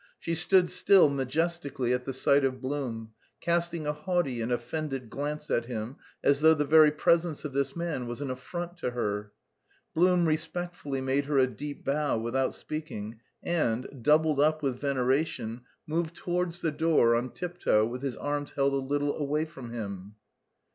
She stood still majestically at the sight of Blum, casting a haughty and offended glance at him, as though the very presence of this man was an affront to her. Blum respectfully made her a deep bow without speaking and, doubled up with veneration, moved towards the door on tiptoe with his arms held a little away from him.